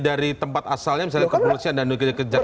dari tempat asalnya misalnya ke polisi dan ke jaksaan